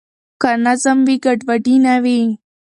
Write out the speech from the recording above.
که نظم وي ګډوډي نه وي.